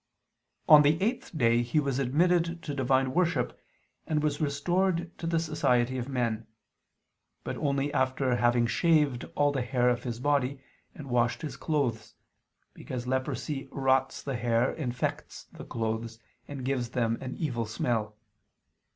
On the eighth day he was admitted to divine worship, and was restored to the society of men; but only after having shaved all the hair of his body, and washed his clothes, because leprosy rots the hair, infects the clothes, and gives them an evil smell.